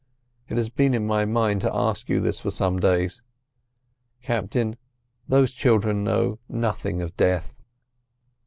It has been in my mind to ask you this for some days. Captain, those children know nothing of death."